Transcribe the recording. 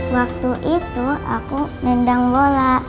waktu itu aku nendang bola